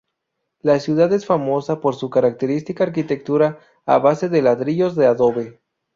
La ciudad es famosa por su característica arquitectura a base de ladrillos de adobe.